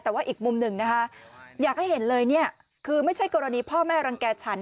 แต่ว่าอีกมุมหนึ่งนะคะอยากให้เห็นเลยเนี่ยคือไม่ใช่กรณีพ่อแม่รังแก่ฉัน